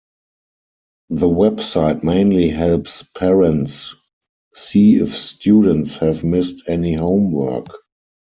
The website mainly helps parents see if students have missed any homework.